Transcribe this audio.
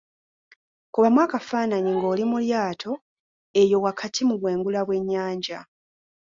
Kubamu akafaanayi ng'oli mu lyato, eyo wakati mu bwengula bw'ennyanja.